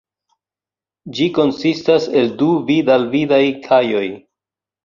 Ĝi konsistas el du vid-al-vidaj kajoj.